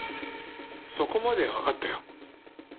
そこまではわかったよ。